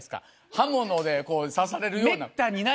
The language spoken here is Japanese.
刃物で刺されるような。